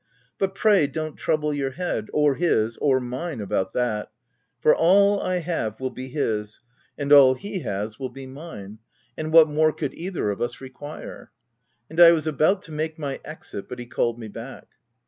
" But pray don't trouble your head — or his, or mine about that ; for all I have will be his, and all he has will be mine ; and what more could either of us require V And I was about to make my exit, but he called me back.